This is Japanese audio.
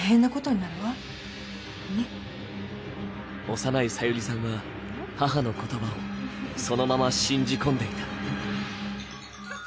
幼いさゆりさんは母の言葉をそのまま信じ込んでいた。